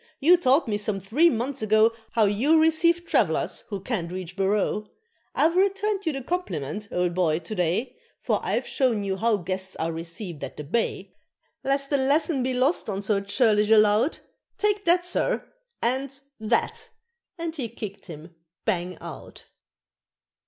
You taught me some three months ago How you receive trav'lers who can't reach 'Barroo;' I've returned you the compliment, old boy, to day, For I've shown you how guests are received at the Bay Lest the lesson be lost on so churlish a lout, Take that, sir! and that!" and he kicked him bang out.